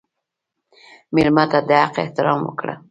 مېلمه ته د حق احترام ورکړه.